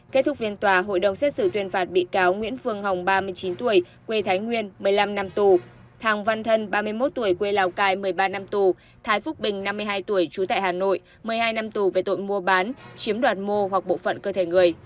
kết thúc phiên tòa hội đồng xét xử tuyên phạt bị cáo nguyễn phương hồng ba mươi chín tuổi quê thái nguyên một mươi năm năm tù thàng văn thân ba mươi một tuổi quê lào cai một mươi ba năm tù thái phúc bình năm mươi hai tuổi trú tại hà nội một mươi hai năm tù về tội mua bán chiếm đoạt mô hoặc bộ phận cơ thể người